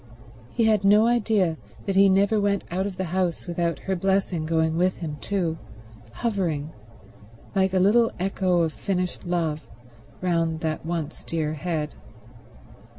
He had no idea that he never went out of the house without her blessing going with him too, hovering, like a little echo of finished love, round that once dear head.